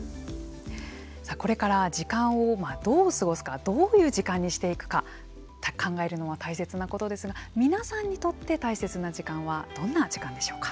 さあこれから時間をどう過ごすかどういう時間にしていくか考えるのは大切なことですが皆さんにとって大切な時間はどんな時間でしょうか？